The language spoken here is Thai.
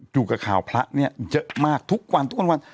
ดูกับข่าวพระเนี่ยเยอะมากทุกวัน